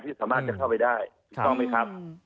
สามารถจะเข้าไปได้ถูกต้องไหมครับ